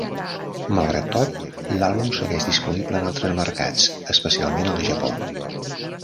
Malgrat tot, l'àlbum segueix disponible en altres mercats, especialment al Japó.